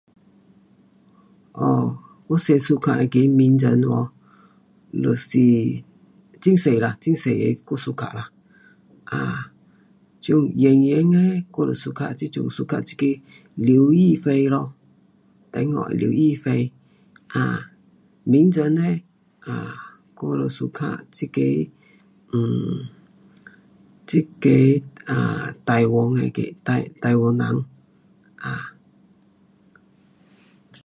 [um]我最suka的那个名人[um]就是，很多啦，很多个我suka啦，[um]就演员嘞我就suka这阵就suka这个刘亦非，中国这个刘亦非咯。名人嘞我就suka这个，这个[um]台湾的那个台,台湾人。